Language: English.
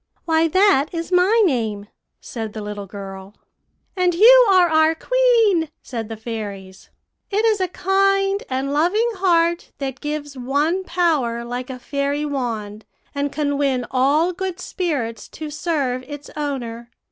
"'Why, that is my name,' said the little girl. "'And you are our queen,' said the fairies. 'It is a kind and loving heart that gives one power like a fairy wand, and can win all good spirits to serve its owner.